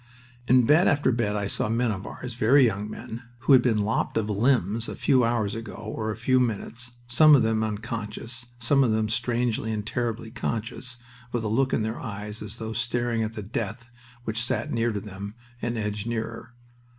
In bed after bed I saw men of ours, very young men, who had been lopped of limbs a few hours ago or a few minutes, some of them unconscious, some of them strangely and terribly conscious, with a look in their eyes as though staring at the death which sat near to them, and edged nearer.